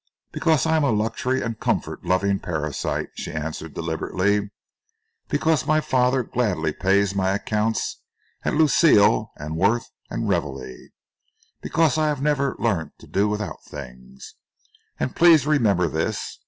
"Because I am a luxury and comfort loving parasite," she answered deliberately, "because my father gladly pays my accounts at Lucille and Worth and Reville, because I have never learnt to do without things. And please remember this.